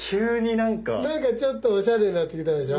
なんかちょっとおしゃれになってきたでしょ。